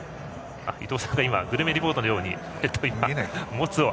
伊東さんが今グルメリポートのようにもつを。